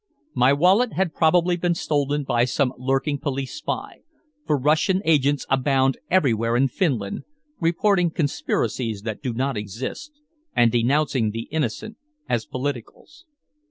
My wallet had probably been stolen by some lurking police spy, for Russian agents abound everywhere in Finland, reporting conspiracies that do not exist and denouncing the innocent as "politicals."